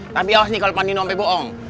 tapi awas nih kalau pandino sampai bohong